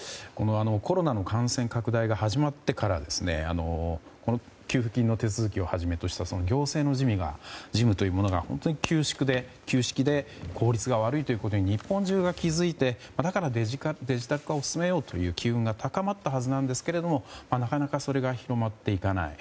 コロナの感染拡大が始まってから給付金の手続きをはじめとした行政の事務というものが旧式で効率が悪いことに日本中が気づいて、だからデジタル化を進めようという機運が高まったはずなんですがなかなかそれが広まっていかない。